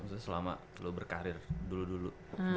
misalnya selama lo berkarir dulu dulu